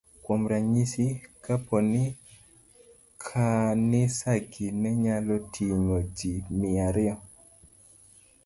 Kuom ranyisi, kapo ni kanisagi ne nyalo ting'o ji mia ariyo,